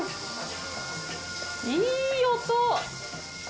いい音！